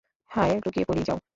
হ্যায় লুকিয়ে পড়ি যাও।